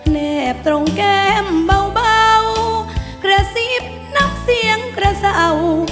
แนบตรงแก้มเบากระซิบนับเสียงกระเศร้า